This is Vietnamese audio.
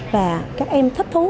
và các em thích thú